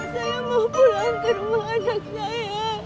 saya mau pulang ke rumah anak saya